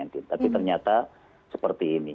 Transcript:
tapi ternyata seperti ini